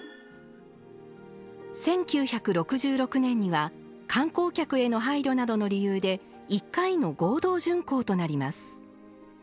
１９６６年には観光客への配慮などの理由で１回の合同巡行となります。